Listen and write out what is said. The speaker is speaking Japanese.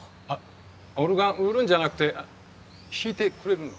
オルガン売るんじゃなくて弾いてくれるの？